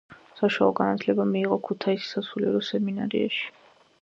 საშუალო განათლება მიიღო ქუთაისის სასულიერო სემინარიაში.